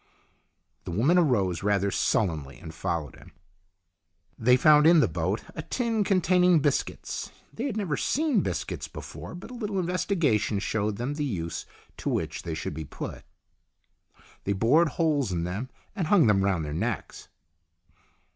The woman arose rather sullenly, and followed him. They found in the boat a tin containing biscuits. They had never seen biscuits before, but a little investigation showed them the use to which they THE UNKNOWN GOD 113 should be put. They bored holes in them and hung them round their necks.